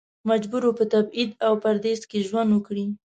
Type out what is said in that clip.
مجبور و په تبعید او پردیس کې ژوند وکړي.